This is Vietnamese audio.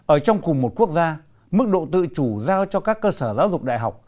ở trong cùng một quốc gia mức độ tự chủ giao cho các cơ sở giáo dục đại học